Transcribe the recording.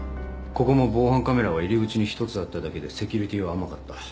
ここも防犯カメラは入り口に１つあっただけでセキュリティーは甘かった。